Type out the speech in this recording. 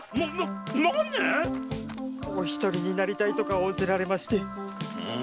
なに⁉お一人になりたいとか仰せられまして。